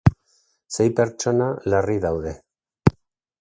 Sei pertsona larri daude.